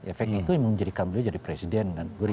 efek itu yang menjadikan beliau jadi presiden kan